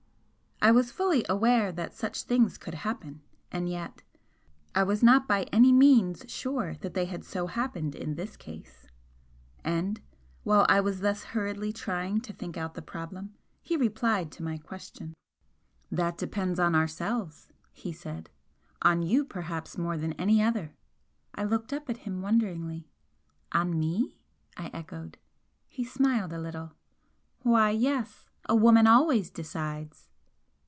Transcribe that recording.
I was fully aware that such things could happen and yet I was not by any means sure that they had so happened in this case. And while I was thus hurriedly trying to think out the problem, he replied to my question. "That depends on ourselves," he said "On you perhaps more than any other." I looked up at him wonderingly. "On me?" I echoed. He smiled a little. "Why, yes! A woman always decides."